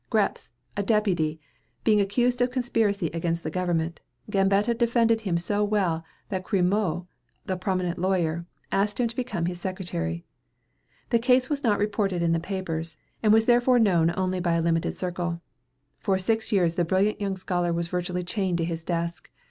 Grepps, a deputy, being accused of conspiracy against the Government, Gambetta defended him so well that Crémieux, a prominent lawyer, asked him to become his secretary. The case was not reported in the papers, and was therefore known only by a limited circle. For six years the brilliant young scholar was virtually chained to his desk.